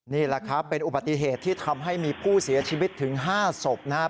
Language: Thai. นี่แหละครับเป็นอุบัติเหตุที่ทำให้มีผู้เสียชีวิตถึง๕ศพนะครับ